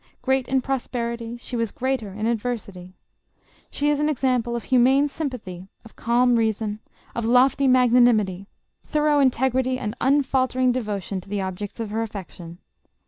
Great in prosperity, she was greater in adversity. She is an example of humane sympathy, of calm reason, of lofty magnanimity, thorough integrity and unfaltering devo tion to the objects of her affection.